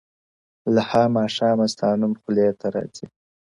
له ها ماښامه ستا نوم خولې ته راځــــــــي~